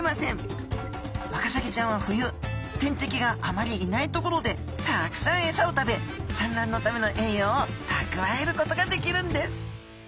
ワカサギちゃんは冬天敵があまりいない所でたくさんエサを食べ産卵のための栄養をたくわえることができるんです